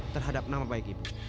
terhadap nama baik ibu